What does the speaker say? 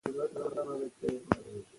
د داسې خلکو سره کۀ دلائل وي هم نۀ